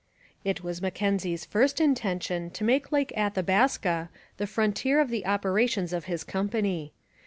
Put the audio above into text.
It was Mackenzie's first intention to make Lake Athabaska the frontier of the operations of his company.